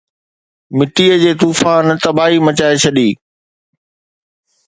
مٽيءَ جي طوفان تباهي مچائي ڇڏي